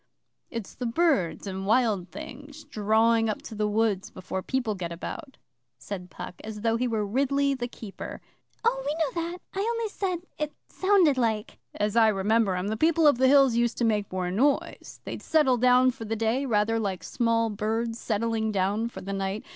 'It's the birds and wild things drawing up to the woods before people get about,' said Puck, as though he were Ridley the keeper. 'Oh, we know that. I only said it sounded like.' 'As I remember 'em, the People of the Hills used to make more noise. They'd settle down for the day rather like small birds settling down for the night.